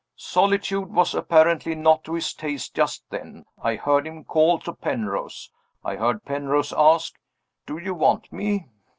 Solitude was apparently not to his taste just then. I heard him call to Penrose. I heard Penrose ask: "Do you want me?"